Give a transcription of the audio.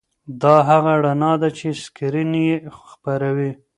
دا هغه رڼا ده چې سکرین یې خپروي.